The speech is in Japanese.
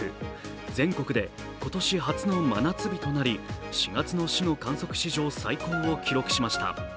全国で今年初の真夏日となり４月の市の観測史上最高を記録しました。